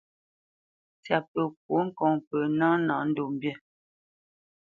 Ntsyapǝ kwó ŋkɔŋ pǝ ná nâ ndo mbî.